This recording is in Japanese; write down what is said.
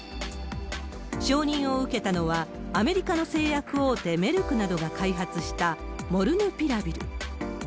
承認を受けたのは、アメリカの製薬大手、メルクなどが開発したモルヌピラビル。